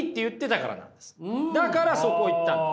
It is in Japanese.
だからそこ行ったんです。